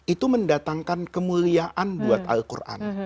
itu mendatangkan kemuliaan buat al quran